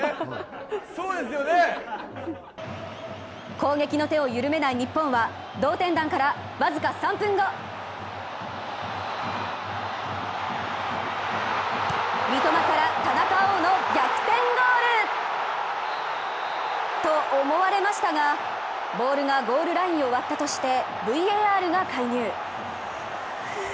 攻撃の手を緩めない日本は同点弾から僅か３分後、三笘から田中碧の逆転ゴール！と思われましたが、ボールがゴールラインを割ったとしてＶＡＲが介入。